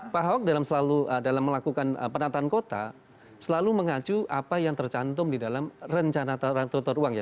pak ahok dalam selalu dalam melakukan penataan kota selalu mengacu apa yang tercantum di dalam rencana trotor uang ya